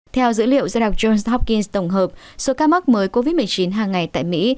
theo dữ liệu do đặc johns hopkins tổng hợp số ca mắc mới covid một mươi chín hàng ngày tại mỹ